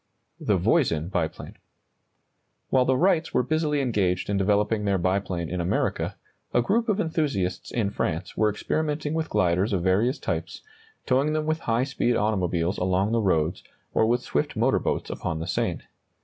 THE VOISIN BIPLANE. While the Wrights were busily engaged in developing their biplane in America, a group of enthusiasts in France were experimenting with gliders of various types, towing them with high speed automobiles along the roads, or with swift motor boats upon the Seine.